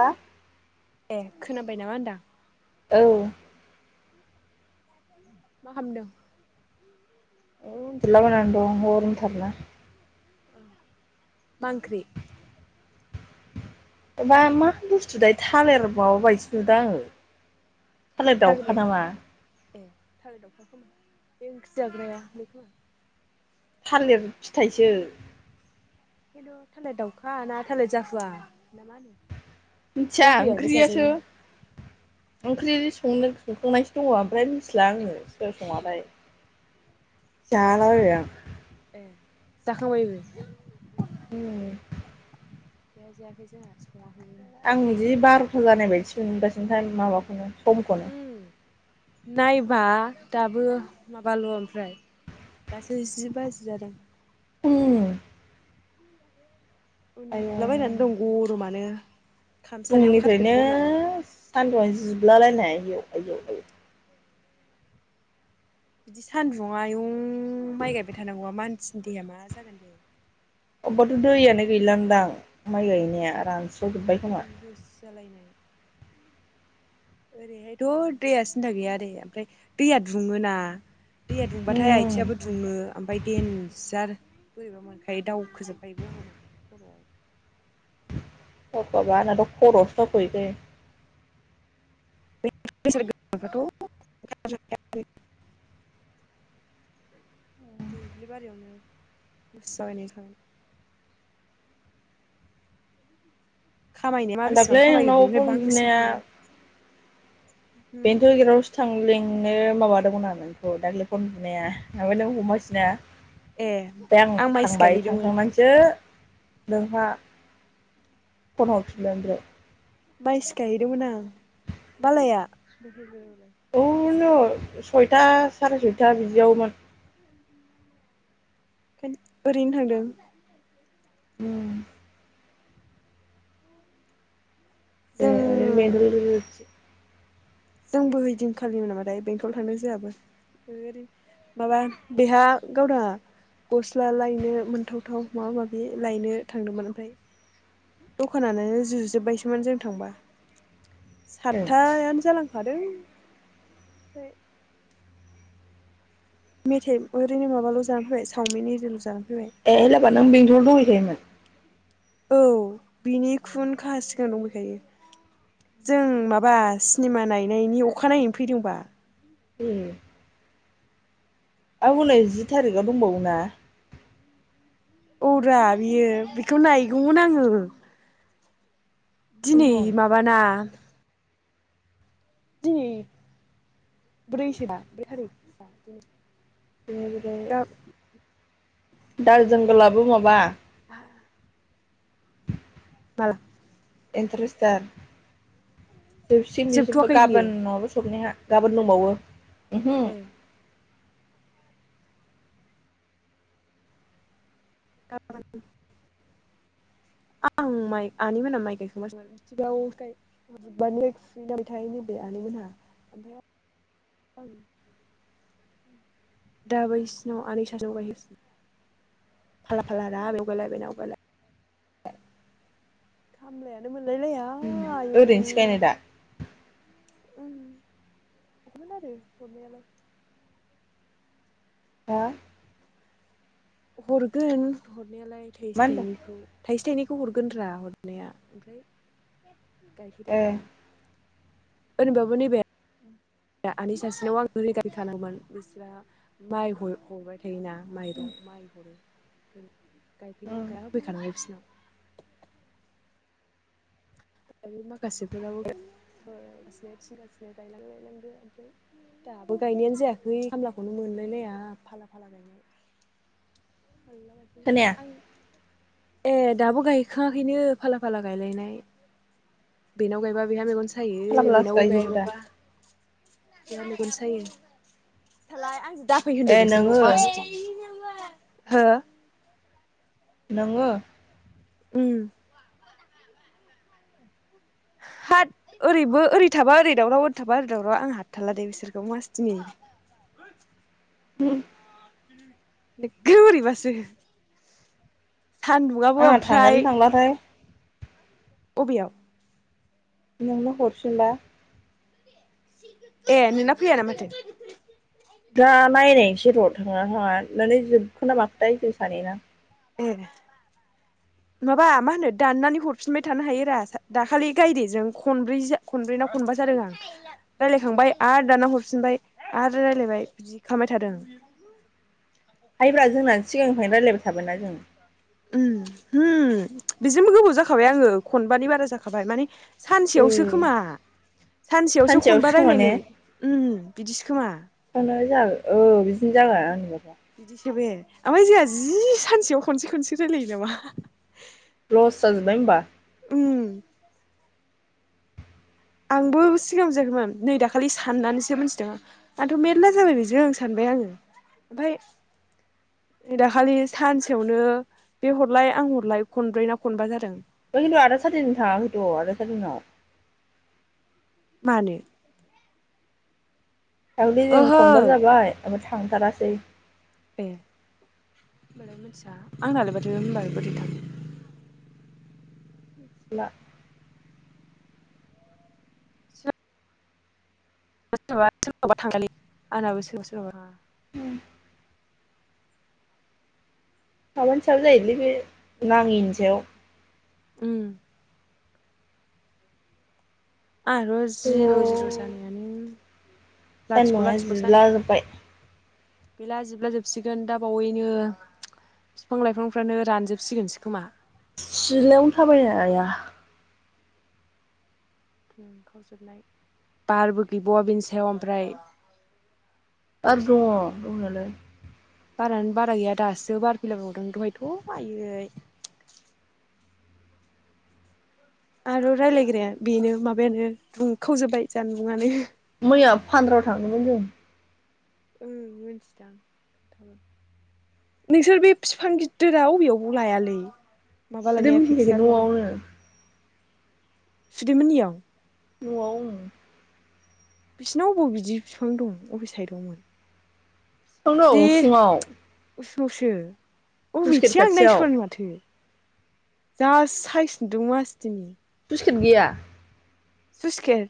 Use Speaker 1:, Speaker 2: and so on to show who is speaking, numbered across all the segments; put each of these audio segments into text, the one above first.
Speaker 1: आ
Speaker 2: ए खोनाबाय नामा होनदां?
Speaker 1: औ
Speaker 2: मा खालामदों?
Speaker 1: औ उनदुला बायनानै दं गरमथारना ।
Speaker 2: मा ओंख्रि?
Speaker 1: बा मा बुस्थु थाय थालिर माबा बायदिसो नुदां आङो । थालेर
Speaker 2: थालिर
Speaker 1: दावखा
Speaker 2: मै
Speaker 1: नामा ।
Speaker 2: ए थालिर दावउखाखौ बे ओंख्रि जाग्राया बेखो ।
Speaker 1: थालिर फिथाइसो ।
Speaker 2: ओंखायथ' थालिर दाउखा ना थालेर जाहुवा ।
Speaker 1: मिनथिया ओंख्रियासो
Speaker 2: जाजायोना
Speaker 1: ओंख्रि नो संखांनायसो दङ ओमफ्राय मिथिला
Speaker 2: ए
Speaker 1: आङो सोर सङाथाय । जाला बायबाय आं ।
Speaker 2: ए जाखांबायबो?
Speaker 1: औ ।
Speaker 2: गैया जायाखै जोंना संवाखै ।
Speaker 1: आं बिदि बार'था जानाय बायदिसो मोनगासिनो थार माबाखौनो समखौनो ।
Speaker 2: उम नायबा दाबो माबाल' ओमफ्राय दासो जि बाजि जादों ।
Speaker 1: उम आयौ
Speaker 2: उनन्दुला बायनानै दं गरमानो ।
Speaker 1: फुंनिफ्रायनो सानदुंआनो जिबला लायनाय आयौ आयौ आयौ ।
Speaker 2: बिदि सान्दुं आयुं माइ गायबाय थानांगौआ मानसिनि देहाया मा जागोन दे ।
Speaker 1: अबेबाथ' दैयानो गैलानदां माइ गायनाया रानस्रावजोब्बाय खोमा
Speaker 2: बिहुस
Speaker 1: ।
Speaker 2: जालायनाय ओरैहायथ' दैया सिन्था गैया दे आरो ओमफ्राय दैया दुङोना । दैया दुंबाथाय
Speaker 1: उम
Speaker 2: आयथिंयाबो दुङो ओमफ्राय देनजार बोरैबा मोनखायो दावउखोजोबखायो गरमा खर'आव ।
Speaker 1: अ बाबा आनाथ' खर'आवसे दावखो हैखायो ।
Speaker 2: [unintelligible] दुब्लि बारियावनो हुस जालायनाय जायो । खामायनाया मा
Speaker 1: आं
Speaker 2: बेसेबां
Speaker 1: दाख्लै
Speaker 2: खामायो
Speaker 1: नोंनाव
Speaker 2: बेनिफ्राय
Speaker 1: फन
Speaker 2: बांसिन थांगोन ।
Speaker 1: बेन्थ' गेरावसोथ आं लिंनो माबादोंमोन आं नोंखौ दाख्लै फन बुनाया ओमफ्राय नों हमासैना ।
Speaker 2: ए
Speaker 1: ओमफ्राय आं
Speaker 2: माइसो
Speaker 1: थांबाय
Speaker 2: गायहैदोंमोन
Speaker 1: थांखांनानैसो नोंहा फन हरफिनबाय ओमफ्राय ।
Speaker 2: माइसो गायहैदोंमोन आं मा लाया?
Speaker 1: बिनो सयथा साराय सयथा बिदियावमोन ।
Speaker 2: ओरैनो थांदों
Speaker 1: उम दे
Speaker 2: जों
Speaker 1: ओरैनो [unintelligible]
Speaker 2: जोंबो हैैदिनखालिमोन नामाथाय बेंथल थांदों जोआबो । ओरैनो माबा बेहा गावदाङा गस्ला लायनो मोनथावथाव माबा माबि लायनो थांदोंमोन ओमफ्राय दखानानो जुजोब्बायसोमोन जों थांबा
Speaker 1: ए
Speaker 2: सातथायानो जालां खादों ओमफ्राय मेथाइ ओरैनो माबाल' जानानै फैबाय चावमिन एरिल' जाना
Speaker 1: ए एलाबा नों बेंथलाव दहैखायोमोन?
Speaker 2: औ बिनि खुनखाहा सिगां दंफैखायो । जों माबा सिनेमा नायनायनि अखानायनायैनो फैदोंबा ।
Speaker 1: औ नैजि थारिखाव दंबावो ना।
Speaker 2: औ दा बियो बेखौ नायगौमोन आङो। दिनै
Speaker 1: बेनोथ'
Speaker 2: माबाना दिनै ब्रैसो ना ब्रै थारिख।
Speaker 1: [unintelligible] बारजोंब्लाबो माबा
Speaker 2: माल
Speaker 1: इन्टारेस्टार जोबसिन बिसोरबो
Speaker 2: जोबथ'वाखै बियो
Speaker 1: गाबोन नङाबा सबनेहा गाबोन दोंबावो उम हो
Speaker 2: ए गाब आं माइ आनै मोना माइ गायखांबासो [unintelligible] [unintelligible] [unintelligible] आनै मोनहा दा बैसिनाव आनै [unintelligible] फाला- फाला रा आलौ गायलाय बिनाव गायलाय। खामलायानो मोनलाय लाया।
Speaker 1: ओरैनोसो गायनाय दा
Speaker 2: उम [unintelligible] [unintelligible] [unintelligible]
Speaker 1: हा
Speaker 2: हरगोन हरनायालाय थाइसे
Speaker 1: मा होनदों
Speaker 2: थाइनैखौ थाइसे थाइनै खौ हरगोनद्रा हरनाया ओमफ्राय गायफैदों
Speaker 1: ए
Speaker 2: आरो। ओरैबाबो नैबे आनि सासेनाव आं [unintelligible] [unintelligible] [unintelligible] खैना माइरं माइ [inaudible] [inaudible] [unintelligible] माखासेफोराबो [inaudible] ओमफ्राय गायनायानो जायाखै खामलाखौनो मोनलायलाया फाला फाला गायनाय।
Speaker 1: [inaudible] खोनाया
Speaker 2: [unintelligible] ए दाबो गायखांङाखैनो फाला -फाला गायलायनाय। बेनाव गायबा बेहा मेगन सायो
Speaker 1: फाला फालासो
Speaker 2: बेनावबो
Speaker 1: गायजोबो
Speaker 2: गायबा
Speaker 1: दा
Speaker 2: [unintelligible] आं दाफैनो होनदों
Speaker 1: ए
Speaker 2: नोंसोरखौ
Speaker 1: नोङो
Speaker 2: मा हो
Speaker 1: नोंङो
Speaker 2: उम
Speaker 1: [inaudible]
Speaker 2: होथ ओरैबो ओरै थाबा ओरै दावराव ओरै थाबा ओरै दावराव आं हाथारला दे बिसोरखौ मासदिनि।
Speaker 1: [unintelligible]
Speaker 2: बेखोनो बोरैबासो सान्दुंआबो
Speaker 1: आंना
Speaker 2: ओमफ्राय
Speaker 1: थांगोन थांलाथाय
Speaker 2: अबेयाव।
Speaker 1: नोंनो हरफिनबा।
Speaker 2: ए नोंना फैयाना माथो
Speaker 1: दा नायनायसै र' थाङा थाङा नानै जोबखोना माखोथाय जों सानै ना।
Speaker 2: ए
Speaker 1: [inaudible]
Speaker 2: माबा मा होनो दाननानै हरफिनबाय थानो हायो रा दाखालि गायदेजों खनब्रै खनब्रैना खनबा जादों आं। रायलायखांबाय आरो दाना हरफिनबाय आरो रायलायबाय बिदि खालामबाय थादों।
Speaker 1: हायोब्रा जोंना सिगांनिफ्रायनो रायलायबाय थाबायना जों।
Speaker 2: उम- उम बिजोंबो गोबोव जाखाबाय आङो खनबानि बारा जाखाबाय माने सानसेयावसो
Speaker 1: ओइ
Speaker 2: खोमा। सानसेयावसो खनबा
Speaker 1: खोमा
Speaker 2: रायलायनो
Speaker 1: ने
Speaker 2: उम बिदिसो खोमा।
Speaker 1: थांनाय जागोन औ बिदिनो जागोन आंनिबा
Speaker 2: बिदिसो बे ओमफ्राय जोंहा जि सानसेयाव खनसे खनसे रायलायो नामा।
Speaker 1: लस‌‌ जाजोब्बाय होमबा।
Speaker 2: उम। आंबो सिगां बुजियाखैमोन नै दाखालि साननानैसो मोनथिदों आं आंथ' मेरला जाबाय बेजों सानबाय । आङो ओमफाय दाखालि सानसेयावनो बे हरलाय आं हरलाय खनब्रै ना खनबा जादों ।
Speaker 1: [unintelligible] खथु आदा सादिनि थांयाखैथ' आदा सादिननाव।
Speaker 2: मानो?
Speaker 1: दाख्लि जों
Speaker 2: ओहो
Speaker 1: खनबा जाबाय ओमफ्राय थांथारासै।
Speaker 2: ए। होनबालाय मोनथिया आंनालाय माथो होनबा बोरैथो थांयो।
Speaker 1: ला।
Speaker 2: सोरनावबा सोरनावबा थांयालै आंनाबो सोरनावबा सोरनावबा थांया।
Speaker 1: उम। माबानि सायाव जायोलै बे नाङैनि सायाव।
Speaker 2: उम। आर'ज जिर' जिर' जानायानो लाथिख'
Speaker 1: सानदुङा
Speaker 2: लाथिख' जानायानो
Speaker 1: जिलाजोब्बाय।
Speaker 2: गैला जिब्लाजोबसिगोन दा बावैनो। फिफां लाइफांफ्रानो रानजोबसिगोनसो खोमा।
Speaker 1: सिलायावनो थाबायनो हाया।
Speaker 2: बारबो गैबावा बेनि सायाव ओमफ्राय।
Speaker 1: बार दङ दंनायालाय।
Speaker 2: बारायानो बारा गैया दासो बार फैलाबायबावदों दहायथ' आयै आरो रायलायग्राया बेनो माबायानो रुंखावजोब्बाय सानबुंआनो।
Speaker 1: मैया फानद्रआव थांदोंमोन जों।
Speaker 2: ओं मोनथिदां खोनथागोन। नोंसोर बे फिफां गिददिराव अबेयावबो लायालै? माबा
Speaker 1: सुदेम
Speaker 2: लानाया
Speaker 1: मिथिनायखौ
Speaker 2: फिक्सार लानाया
Speaker 1: न'आवनो
Speaker 2: सुदेमोननियाव?
Speaker 1: न'आव उम।
Speaker 2: बिसिनाव अबाव बिदि बिफां दं अबे साइदावमोन?
Speaker 1: फिफां दं उसुङाव।
Speaker 2: उसुङावसो अबेथिं आं
Speaker 1: खाथियाव
Speaker 2: नायसनानो‌ माथो। जा साइज दुं मासदिनि।
Speaker 1: [unintelligible] गैया।
Speaker 2: सुसकेर।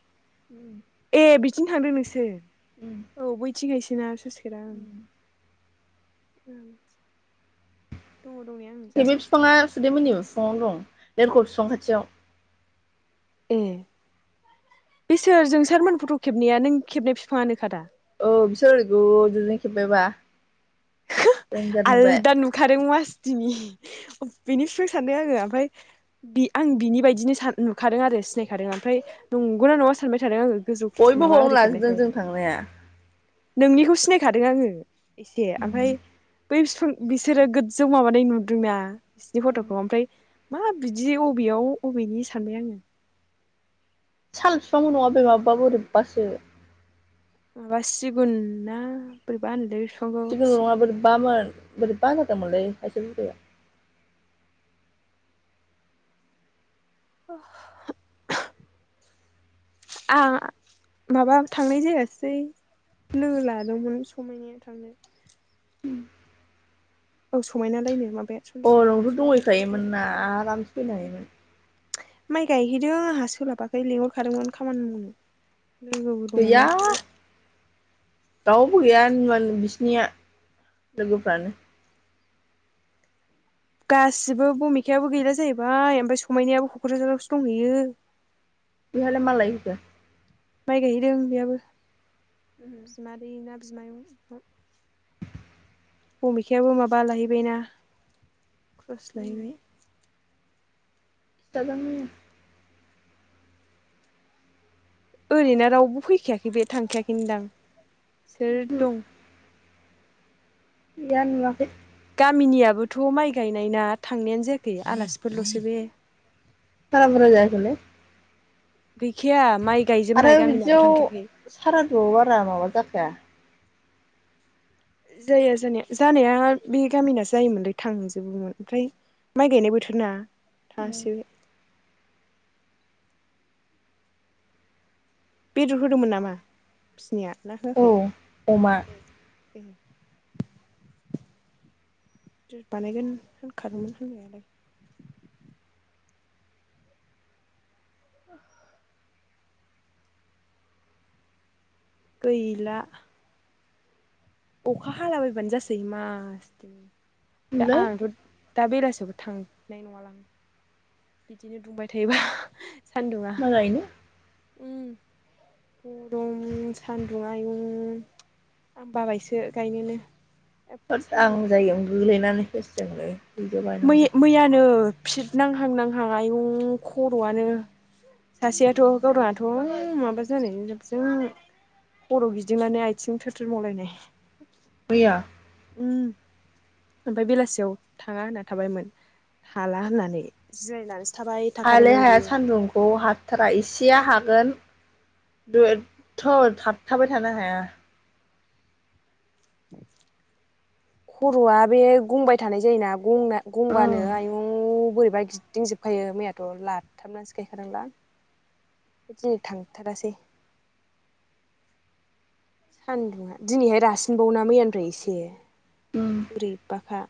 Speaker 1: उम।
Speaker 2: ए बिथिंनो थांदों नोंसोर औ बैथिंहायसोना सुइस गेटा ओं। ओम।
Speaker 1: बेनि बिफाङा सुदेममोननि उसुङावनो दं लेरख' बिफां खाथियाव।
Speaker 2: ए बेसोर जोंसारमोन फथ' खेबनाया नों खेबनाय फिफाङानोखा दा?
Speaker 1: औ बिसोर ओरै गोजोंजौ खेबबायबा। देनजार नुबाय
Speaker 2: आलदा नुखादों मासदिनि।
Speaker 1: [inaudible]
Speaker 2: बिनि फिफां सानदों आङो आमफाय बे आं बिनि बायदिनो सान नुखादों आरो सिनायखादों आमफाय नंगौना नंया सानबाय थादों आङो। गोजौ
Speaker 1: बयबो
Speaker 2: माबा
Speaker 1: बावनो
Speaker 2: ओरै
Speaker 1: लाजोबदों
Speaker 2: खेबनायखाय
Speaker 1: जों थांनाया ।
Speaker 2: नोंनिखौ सिनायखादों आङो एसे आमफाय बै फिफां बिसोरो गोज्जौ माबानाय नुदोंना बिसिनि फट'खौ ओमफ्राय मा बिदि अबेयाव अबेनि सानबाय आङो।
Speaker 1: साल बिफां नङा बेमाबा बोरैबासो
Speaker 2: बा सिगुनना बोरैबाहोनो,
Speaker 1: सिगुन नङा बोरैबामोन बोरैबा जादोंमोनलै सासे बुरैया,
Speaker 2: [unintelligible] आं माबा थांनाय जायासै, लोगो लादोंमोन समायनाया थांनो, औ समायना लायनो मा
Speaker 1: अ नोंथ' दंहैखायोमोन ना आरामसे फैनो हायोमोन,
Speaker 2: माइ गायहैदों आंहा सोलाबाखै लिंहरखादोंमोन खामानि मावनो, लोगोबो
Speaker 1: गैया
Speaker 2: दङना
Speaker 1: दाउबो गैया [unintelligible] बिसिनिया लोगोफ्रानो
Speaker 2: गासिबो भुमिखायाबो गैला जाहैबाय ओमफ्राय समायनायाबो क'क्राझारावसो दंहैयो,
Speaker 1: बिहाय मालाहैखो?
Speaker 2: माइ गायैदों बेयाबो बिमा दै ना बिमायं, भुमिखायाबो माबा लाहैबायना क्लास लाहैबाय,
Speaker 1: [unintelligible]
Speaker 2: ओरैनो रावबो फैखायाखै बे थांखायाखै दां सोर दं।
Speaker 1: गैया नुवाखै,
Speaker 2: गामिनियाबोथ' माइ गायनाय ना थांनायानो जायाखै आलासिफोरल'सो बे,
Speaker 1: बारा बुरजा जायाखैलै,
Speaker 2: गैखाया माइ गायजोबनाय गामिनाबो थांखायाखै,
Speaker 1: ज' बारा माबा जाखाया,
Speaker 2: जाया जानाया जानाया बे गामिना जायोमोनलै थांजोबोमोन ओमफ्राय, माइ गायनाय बोथोर ना थांहासै बे, बेदर होदोंमोन नामा बिसनिया ना
Speaker 1: औ
Speaker 2: होआखै
Speaker 1: अमा
Speaker 2: ए, [unintelligible] ज' बानायगोन होनखादोंमोन होननायालाय,
Speaker 1: [inaudible]
Speaker 2: गैला अखा हालाबायबानो जासै मास थायनि दा
Speaker 1: लै
Speaker 2: आंथ' दा बेलासिबो थांनाय नङाल आं बिदिनो दुंबाय थायोबा, सान्दुङा
Speaker 1: माइगायनो
Speaker 2: उम गरम सान्दुं आयुं आं बाबायसो गायनोनो, एफा
Speaker 1: होद आं
Speaker 2: सान्दुं
Speaker 1: जागायावनो गोलैनानै थैसिगोनलै,
Speaker 2: मै मैयानो फिद नांहां नांहां आयु खर'आनो सासेयाथ' गावदांआथ' माबा जानायजों जाबजों खर' गिदिंनानै आथिं थोथोर मावलायनाय
Speaker 1: मैया
Speaker 2: उम ओमफ्राय बेलासियाव थाङा होनना थाबायमोन हाला होननानै जिरायनानै
Speaker 1: हायालै हाया सान्दुंखौ हाथारा इसेया
Speaker 2: ओमफ्राय
Speaker 1: हागोन, दो एथ' थाबथाबाय थानो हाया।
Speaker 2: खर'आ बे गंबाय थानाय जायोना? गं
Speaker 1: ओं
Speaker 2: गंबानो आयं बोरै [unintelligible] गिदिंजोबखायो मैयाथ' लाथाबनानैसो गायखादोंलां, दिनै थांथारासै सान्दुङा दिनैहाय रासिनबावना मैयानिफ्राय एसे
Speaker 1: उम
Speaker 2: बोरैबाखा,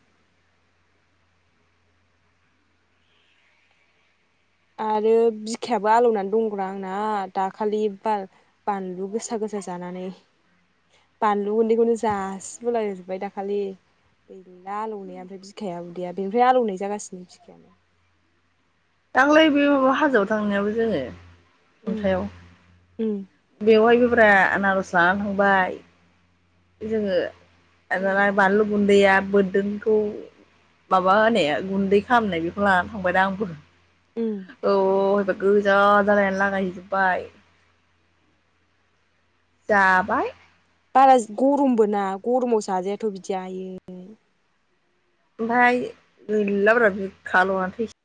Speaker 2: आरो बिखायाबो आलौनानै दंग्रा आंना दाखालि बाल बानलु गोसा गोस गोस जानानै बानलु गुन्दैखौनो जासिबोला जोब्बाय दाखालि गैला आलौनाया ओमफ्राय बिखाया उदैया बेनिफ्राय आलौनाय जागासिनो बिखायाबो ।
Speaker 1: दांखालै बे माबा हाजोआव थांनायाबो जोङो
Speaker 2: उम
Speaker 1: खन्थायाव
Speaker 2: उम
Speaker 1: बेवहायबो ब्रा आनारस लानानै थांबाय । जोङो
Speaker 2: उम
Speaker 1: दालाय बानलु गु न्दैया बोरदोनखौ माबा होनाया गुन्दै खालामनाय बेखौ लानानै थांबायना आंबो
Speaker 2: उम
Speaker 1: । औ हैबा गोजा जालायनानै लागायहैजोबबाय । जाबाय
Speaker 2: बारा गरमबो ना गरमाव जाजायाथ' बिदि आयै
Speaker 1: ओमफ्राय गैलाब्रा बिखा आलौना थैनो